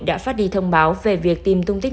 đã phát đi thông báo về việc tìm tung tích